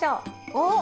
おっ！